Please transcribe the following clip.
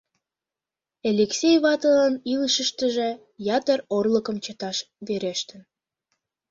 Элексей ватылан илышыштыже ятыр орлыкым чыташ верештын.